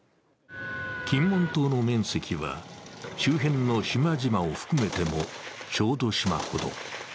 金門島の面積は、周辺の島々を含めても小豆島ほど。